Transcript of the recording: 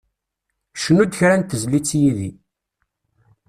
Cnu-d kra n tezlit yid-i.